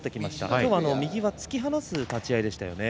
今日は右は突き放す立ち合いでした。